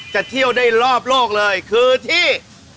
จะเที่ยวได้รอบโลกเลยคือที่